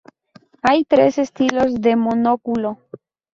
Hay tres estilos de monóculo.